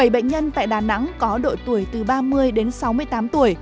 bảy bệnh nhân tại đà nẵng có đội tuổi từ ba mươi đến sáu mươi tám tuổi